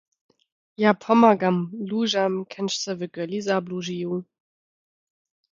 Ja pomagam luźam, kenž se w góli zabłuźiju.